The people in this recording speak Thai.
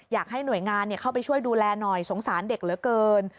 อยากให้หน่วยงานเข้าไปช่วยดูแลหน่อยสงสารเด็กเหลือเกิน